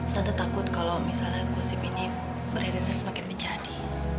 tante takut kalau misalnya gosip ini berada di dalam semakin menjadi